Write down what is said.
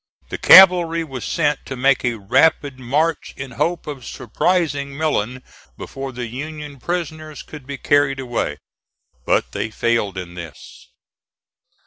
The cavalry was sent to make a rapid march in hope of surprising Millen before the Union prisoners could be carried away; but they failed in this.